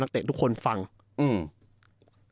ให้กับนักเตะทุกคนฟังฮืม